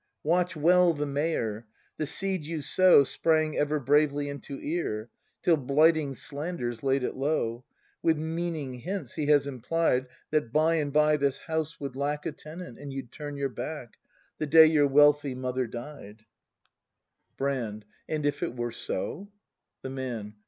Watch well the Mayor. The seed you sow Sprang ever bravely into ear. Till blighting slanders laid it low. With meaning hints he has implied That by and by this house would lack A tenant, and you'd turn your back, The day your wealthy mother died. 144 BRAND [act hi Brand. And if it were so The Man.